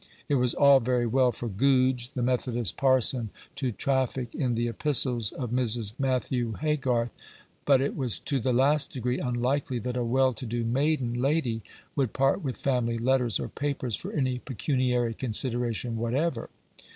It was all very well for Goodge, the Methodist parson, to traffic in the epistles of Mrs. Matthew Haygarth, but it was to the last degree unlikely that a well to do maiden lady would part with family letters or papers for any pecuniary consideration whatever.